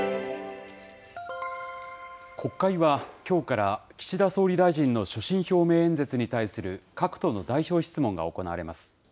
国会は、きょうから岸田総理大臣の所信表明演説に対する各党の代表質問が行われます。